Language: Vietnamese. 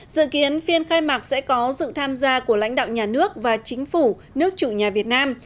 dự kiến phiên khai mạc sẽ có sự tham gia của lãnh đạo nhà nước và chính phủ nước chủ nhà việt nam